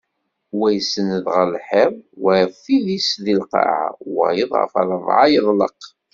Wa isenned ɣer lḥiḍ wayeḍ tidist deg lqaɛa wayeḍ ɣef rebɛa yeḍleq.